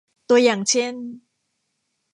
ตัวอย่างเช่น